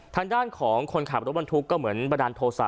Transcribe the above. ทางด้านของคนขับรถบรรทุกก็เหมือนบันดาลโทษะ